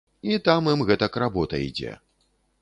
І там ім гэтак работа ідзе.